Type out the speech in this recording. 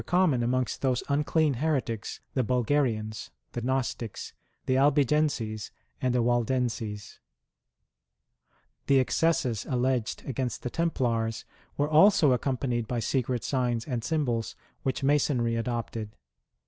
common amongst those unclean heretics, the Bulgarians, the Gnostics, the Albigenses, and the Waldenses, The excesses alleged against the Templars, were also accompanied by secret signs and symbols which Masonry adopted.